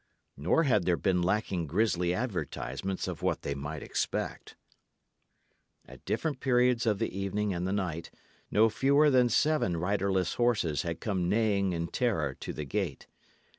Nor had there been lacking grisly advertisements of what they might expect. At different periods of the evening and the night, no fewer than seven riderless horses had come neighing in terror to the gate.